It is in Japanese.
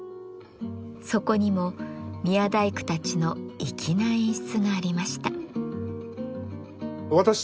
そこにも宮大工たちの粋な演出がありました。